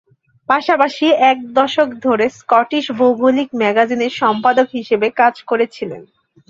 পাশাপাশি এক দশক ধরে "স্কটিশ ভৌগোলিক ম্যাগাজিনের" সম্পাদক হিসাবে কাজ করেছিলেন।